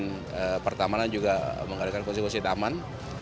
dan pertamanya juga mengadakan konstitusi taman